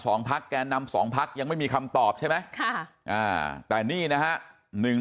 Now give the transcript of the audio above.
พักแกนนำสองพักยังไม่มีคำตอบใช่ไหมค่ะอ่าแต่นี่นะฮะหนึ่ง